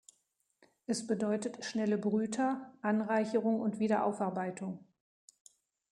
Es bedeutet schnelle Brüter, Anreicherung und Wiederaufarbeitung.